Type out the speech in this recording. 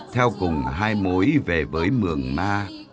theo cùng hai mối về với mường ma